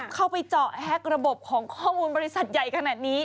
เข้าไปเจาะแฮกระบบของข้อมูลบริษัทใหญ่ขนาดนี้